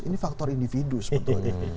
ini faktor individu sebetulnya